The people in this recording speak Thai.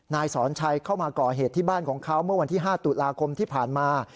นายสอนชัยเข้ามาก่อเหตุที่บ้านของเขาเมื่อวันที่๕ตุลาคมที่ผ่านมา